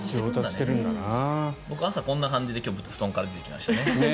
僕、今日こんな感じで布団から出てきましたね。